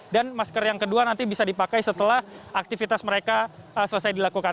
dan masker yang kedua nanti bisa dipakai setelah aktivitas mereka selesai dilakukan